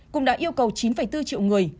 cũng đã yêu cầu chín bốn triệu người